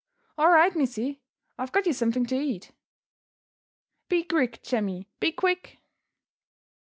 "All right, missy I've got you something to eat." "Be quick, Jemmy! Be quick!"